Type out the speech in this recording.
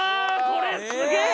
これすげえ